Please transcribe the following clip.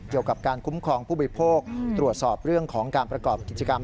เกี่ยวกับการคุ้มครองผู้บริโภคตรวจสอบเรื่องของการประกอบกิจกรรม